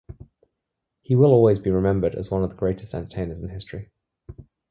He will always be remembered as one of the greatest entertainers in history.